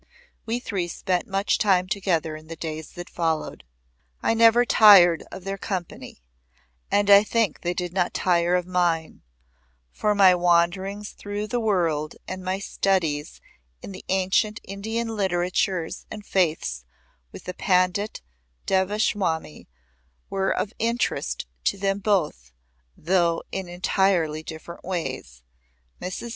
We three spent much time together in the days that followed. I never tired of their company and I think they did not tire of mine, for my wanderings through the world and my studies in the ancient Indian literatures and faiths with the Pandit Devaswami were of interest to them both though in entirely different ways. Mrs.